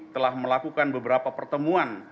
telah melakukan beberapa pertemuan